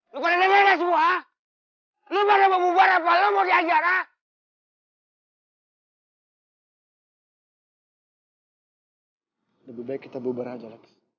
sekarang lu pada mau bubar atau gua hajar